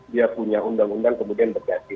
dia punya undang undang kemudian berganti